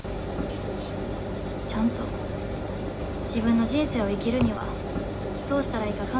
ちゃんと自分の人生を生きるにはどうしたらいいか考えようって思えて。